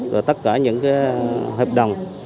rồi tất cả những hợp đồng